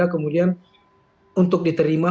kemudian untuk diterima